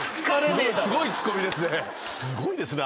すごいツッコミですね。